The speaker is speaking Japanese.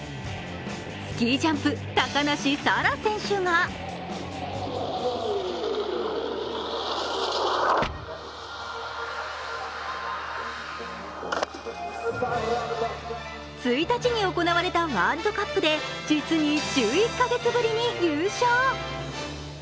スキージャンプ・高梨沙羅選手が１日に行われたワールドカップで実に１１カ月ぶりに優勝。